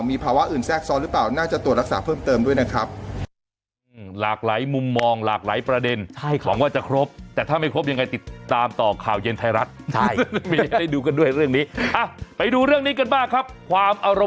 มีภาวะอื่นแทรกซ้อนหรือเปล่า